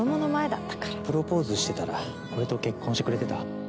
プロポーズしてたら俺と結婚してくれてた？